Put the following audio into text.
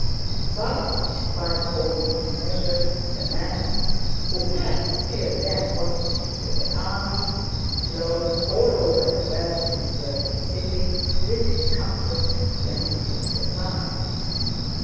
But despite all these measures the men, who had till then constituted an army, flowed all over the wealthy, deserted city with its comforts and plentiful supplies.